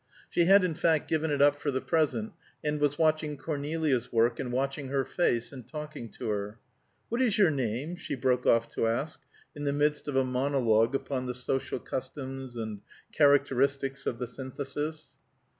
She had in fact given it up for the present and was watching Cornelia's work and watching her face, and talking to her. "What is your name?" she broke off to ask, in the midst of a monologue upon the social customs and characteristics of the Synthesis.